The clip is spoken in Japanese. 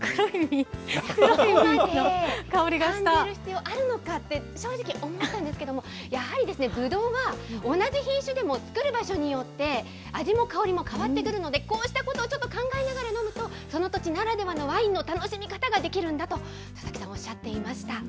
そこまで感じる必要があるのかと、正直思ったんですけれども、やはりぶどうは同じ品種でも、作る場所によって味も香りも変わってくるので、こうしたことをちょっと考えながら飲むと、その土地ならではのワインの楽しみ方ができるんだと、田崎さん、おっしゃっていました。